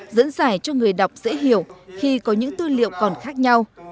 dẫn giải cho người đọc dễ hiểu khi có những tư liệu còn khác nhau